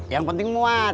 yang penting muat